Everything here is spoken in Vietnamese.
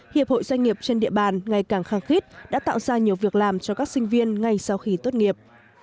hiệp hội doanh nghiệp trên địa bàn ngày càng kháng khích đã tạo ra nhiều việc làm cho các sinh viên ngay sau khi tốt nghiệp